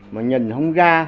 mà nhìn không ra